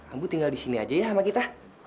ambu tinggal di sini aja ya sama kita